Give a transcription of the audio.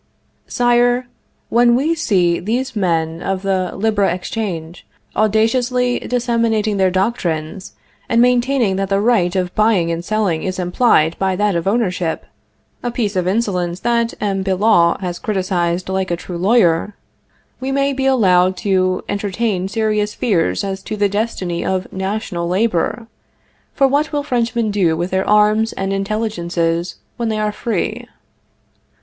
_] SIRE When we see these men of the Libre Echange audaciously disseminating their doctrines, and maintaining that the right of buying and selling is implied by that of ownership (a piece of insolence that M. Billault has criticised like a true lawyer), we may be allowed to entertain serious fears as to the destiny of national labor; for what will Frenchmen do with their arms and intelligences when they are free?